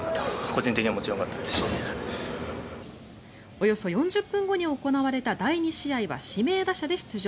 およそ４０分後に行われた第２試合は指名打者で出場。